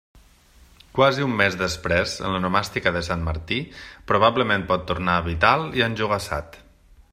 Quasi un mes després en l'onomàstica de Sant Martí, probablement pot tornar vital i enjogassat.